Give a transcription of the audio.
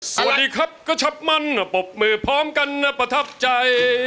สวัสดีครับก็ชับมั่นปรบมือพร้อมกันนะประทับใจ